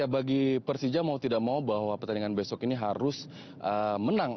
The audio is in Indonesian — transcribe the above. bagi persija mau tidak mau bahwa pertandingan besok ini harus menang